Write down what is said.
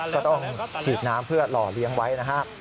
ก็ต้องฉีดน้ำเพื่อหล่อเลี้ยงไว้นะครับ